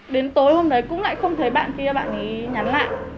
đến tối hôm đấy cũng lại không thấy bạn ấy bạn ấy nhắn lại